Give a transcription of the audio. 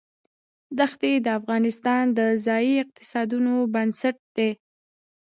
دښتې د افغانستان د ځایي اقتصادونو بنسټ دی.